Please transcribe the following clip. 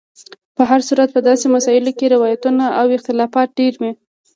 په هر صورت په داسې مسایلو کې روایتونو او اختلافات ډېر وي.